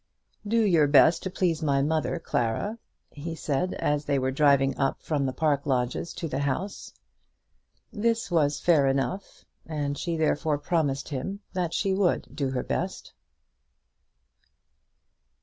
"Do your best to please my mother, Clara," he said, as they were driving up from the park lodges to the house. This was fair enough, and she therefore promised him that she would do her best.